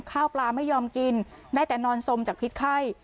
ข้าวปลาไม่ยอมกินได้แต่นอนสมจากพิษไข้